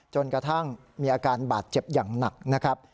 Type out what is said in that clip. จนกระทั่งมีอาการบาดเจ็บอย่างหนักนะครับ